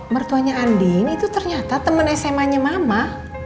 mertuanya andin itu ternyata teman sma nya mama